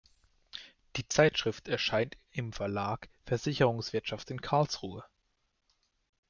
Die Zeitschrift erscheint im Verlag Versicherungswirtschaft in Karlsruhe.